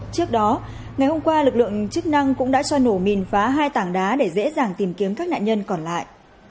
trước đó ngày hôm qua lực lượng chức năng cũng đã cho nổ mìn phá hai tảng đá để dễ dàng tìm kiếm các nạn nhân còn lại